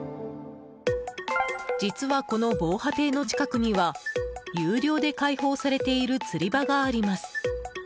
実は、この防波堤の近くには有料で開放されている釣り場があります。